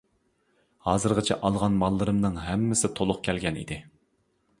ھازىرغىچە ئالغان ماللىرىمنىڭ ھەممىسى تۇلۇق كەلگەن ئىدى.